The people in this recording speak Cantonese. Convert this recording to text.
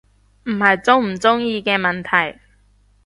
唔係鍾唔鍾意嘅問題